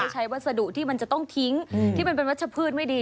ใช้วัสดุที่มันจะต้องทิ้งที่มันเป็นวัชพืชไม่ดี